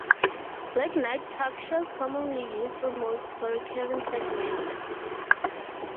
Late night talk shows commonly used remotes for recurring segments.